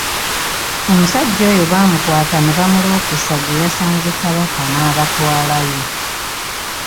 Omusajja oyo baamukwata ne bamuloopesa gye yasanze Kabaka n'abatwalayo.